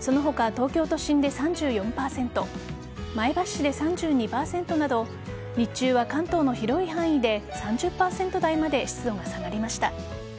その他、東京都心で３４％前橋市で３２％など日中は関東の広い範囲で３０％台まで湿度が下がりました。